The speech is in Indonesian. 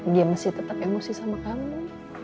dia masih tetap emosi sama kamu